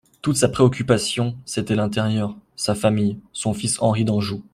Toute sa préoccupation, c'était l'intérieur, sa famille, son fils Henri d'Anjou.